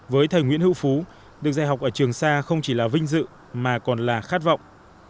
với thầy nguyễn hữu phú được dạy học ở trường xa không chỉ là vinh dự mà còn là khát vọng